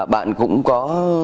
bạn cũng có